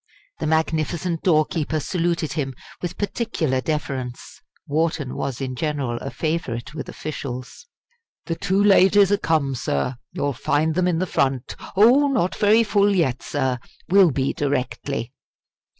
The magnificent doorkeeper saluted him with particular deference. Wharton was in general a favourite with officials. "The two ladies are come, sir. You'll find them in the front oh! not very full yet, sir will be directly."